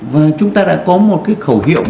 và chúng ta đã có một cái khẩu hiệu